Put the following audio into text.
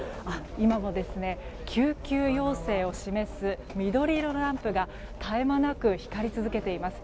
今も救急要請を示す緑色のランプが絶え間なく光り続けています。